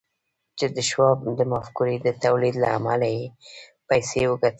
چې د شواب د مفکورې د توليد له امله يې پيسې وګټلې.